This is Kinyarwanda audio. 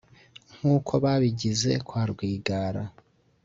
nkuko babigize kwa Rwigara